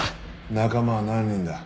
仲間は何人だ？